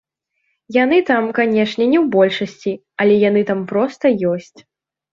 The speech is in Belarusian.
Яны там, канешне, не ў большасці, але яны там проста ёсць.